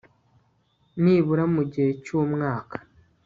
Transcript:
nibura mu gihe cyumwaka